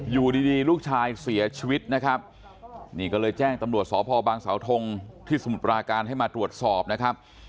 อยู่ดีลูกชายเสียชีวิตนะครับนี่ก็เลยแจ้งตำรวจสพบางสาวทงที่สมุทรปราการให้มาตรวจสอบนะครับ